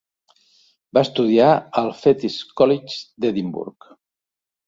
Va estudiar al Fettes College d'Edimburg.